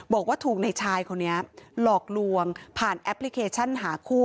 บอกว่าถูกในชายคนนี้หลอกลวงผ่านแอปพลิเคชันหาคู่